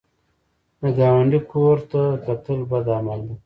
د ګاونډي کور ته کتل بد عمل دی